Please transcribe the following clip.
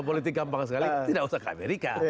kita bisa belajar di amerika